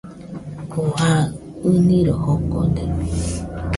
Oo aɨ ɨniroi jokode